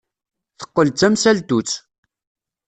Teqqel d tamsaltut.